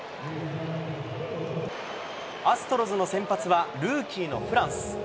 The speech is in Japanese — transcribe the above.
アストロズの先発は、ルーキーのフランス。